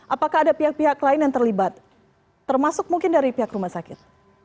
apakah ada pihak pihak lain yang terlibat termasuk mungkin dari pihak rumah sakit